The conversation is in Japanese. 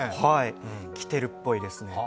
来てるっぽいですね。